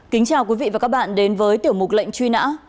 kính chào quý vị và các bạn đến với tiểu mục lệnh truy nã